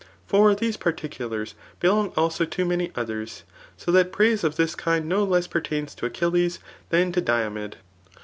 . For diese particulars belong also to many Mhers ; so that praise of thk kind no less pertains to Achilles than to Diomed.